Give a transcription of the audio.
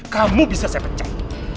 kamu bisa saya pecah